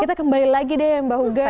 kita kembali lagi deh mbak huga